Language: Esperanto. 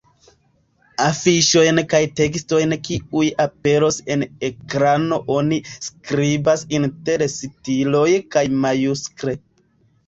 Afiŝojn kaj tekstojn kiuj aperos en ekrano oni skribas inter sitiloj kaj majuskle.